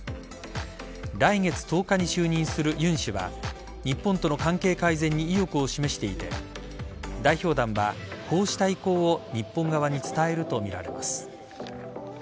来月１０日に就任する尹氏は日本との関係改善に意欲を示していて代表団はこうした意向を日本側に伝えるとみられます。